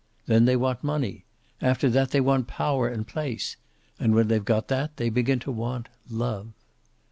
Then they want money. After that they want power and place. And when they've got that they begin to want love."